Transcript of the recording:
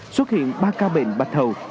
xuất hiện ba ca bệnh bạch hầu